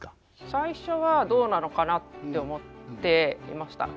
最初はどうなのかなって思っていました。